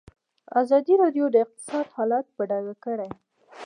ازادي راډیو د اقتصاد حالت په ډاګه کړی.